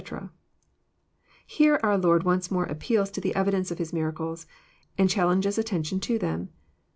"} Here our Lord once more appeals to the evidence of His miracles, and challenges attention to them.